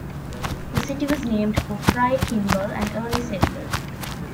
The city was named for Frye Kimball, an early settler.